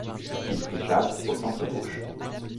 Il prit place au centre gauche.